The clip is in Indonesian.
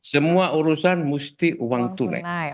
semua urusan mesti uang tunai